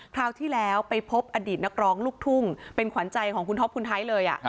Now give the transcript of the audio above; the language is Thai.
คราวที่แล้วไปพบอดีตนักร้องลูกทุ่งเป็นขวัญใจของคุณท็อปคุณไทยเลย